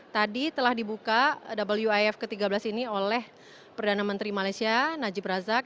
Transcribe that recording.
tadi telah dibuka wif ke tiga belas ini oleh perdana menteri malaysia najib razak